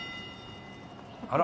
あら！